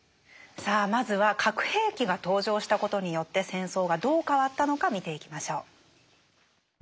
さあまずは核兵器が登場したことによって戦争がどう変わったのか見ていきましょう。